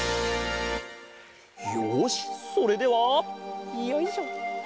よしそれではよいしょ。